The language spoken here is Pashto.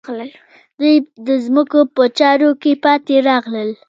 دوی د ځمکو په چارو کې پاتې راغلل.